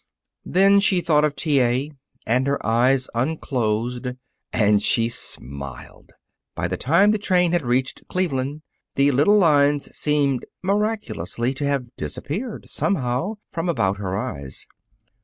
Then she thought of T. A., and her eyes unclosed and she smiled. By the time the train had reached Cleveland the little lines seemed miraculously to have disappeared, somehow, from about her eyes.